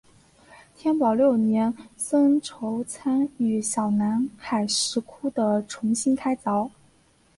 天保六年僧稠参与小南海石窟的重新开凿。